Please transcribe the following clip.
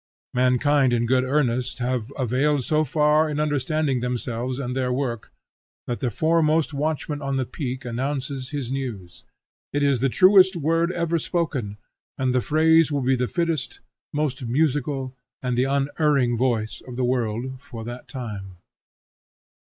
Mankind in good earnest have availed so far in understanding themselves and their work, that the foremost watchman on the peak announces his news. It is the truest word ever spoken, and the phrase will be the fittest, most musical, and the unerring voice of the world for that time.